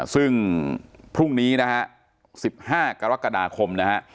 ซึ่งพรุ่งนี้นะฮะ๑๕กรกฎาคมนะฮะ